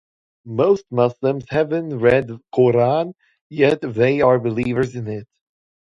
Most Muslims haven't read Quran yet they are believers in it.